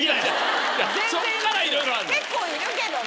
結構いるけどね。